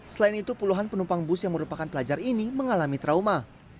selain itu puluhan penumpang bus yang merupakan pelajar ini mengalami trauma